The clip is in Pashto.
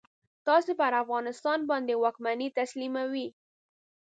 تاسې پر افغانستان باندي واکمني تسلیموي.